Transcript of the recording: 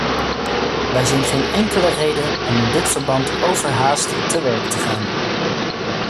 Wij zien geen enkele reden om in dit verband overhaast te werk te gaan.